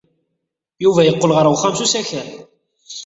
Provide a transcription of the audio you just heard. Yuba yeqqel-d ɣer uxxam s usakal.